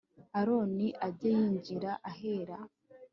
aroni ajye yinjira ahera